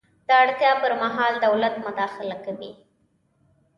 د اړتیا پر مهال دولت مداخله کوي.